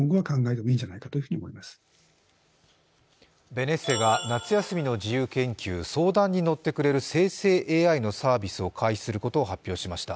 ベネッセが夏休みの自由研究、相談に乗ってくれる生成ＡＩのサービスを開始することを発表しました。